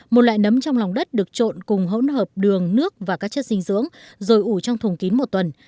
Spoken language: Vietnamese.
một loại nấm trong lòng đất được trộn cùng hỗn hợp đường nước và các chất dinh dưỡng rồi ủ trong thùng kín một tuần